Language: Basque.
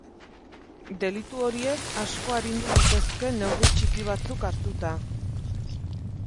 Delitu horiek asko arindu litezke neurri txiki batzuk hartuta.